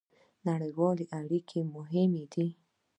نړیوالې اړیکې مهمې دي